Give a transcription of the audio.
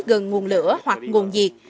gần nguồn lửa hoặc nguồn diệt